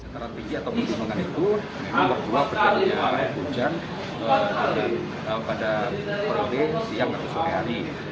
jangan terlalu tinggi atau menurunkan itu memang berdua berjalan dengan hujan pada perhubungan siang atau sore hari